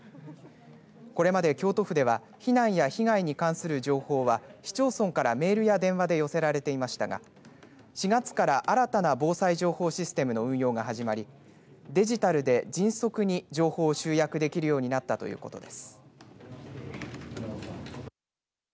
これまで京都府では避難や被害に関する情報は市町村からメールや電話で寄せられていましたが４月から新たな防災情報システムの運用が始まりデジタルで迅速に情報を集約できるようになったということです。